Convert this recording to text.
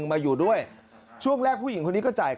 อาทิตย์๒๕อาทิตย์